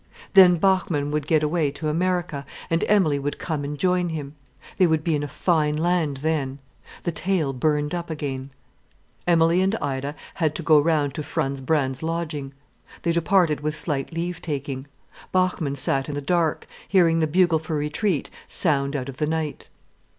Then Bachmann would get away to America, and Emilie would come and join him. They would be in a fine land then. The tale burned up again. Emilie and Ida had to go round to Franz Brand's lodging. They departed with slight leave taking. Bachmann sat in the dark, hearing the bugle for retreat sound out of the night.